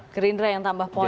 gerindra yang tambah poin